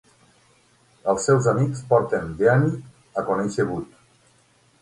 Els seus amics porten Deanie a conèixer Bud.